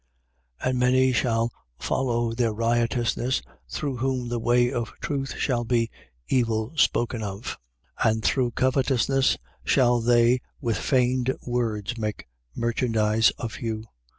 And many shall follow their riotousness, through whom the way of truth shall be evil spoken of. 2:3. And through covetousness shall they with feigned words make merchandise of you.